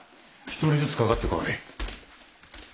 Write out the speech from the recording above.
１人ずつかかってこい。